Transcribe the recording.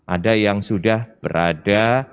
ada yang sudah berada